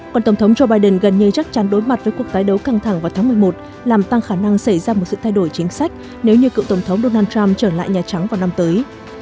còn tổng thống joe biden gần như chắc chắn đối mặt với cuộc tái đấu căng thẳng vào tháng một mươi một làm tăng khả năng xảy ra một sự thay đổi chính sách nếu như cựu tổng thống donald trump trở lại nhà trắng vào năm tới